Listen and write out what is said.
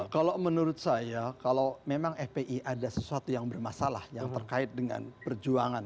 kalau menurut saya kalau memang fpi ada sesuatu yang bermasalah yang terkait dengan perjuangan